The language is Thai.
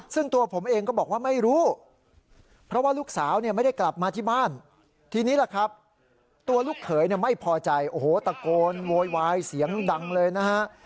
ซึ่งตัวผมเองก็บอกว่าไม่รู้เพราะว่าลูกสาวเนี่ยไม่ได้กลับมาที่บ้านทีนี้ล่ะครับตัวลูกเขยเนี่ยไม่พอใจโอ้โหตะโกนโวยวายเสียงดังเลยนะฮะ